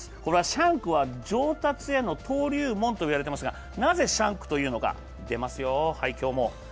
シャンクは上達への登竜門と言われていますがなぜシャンクというのか。出ますよ、今日も。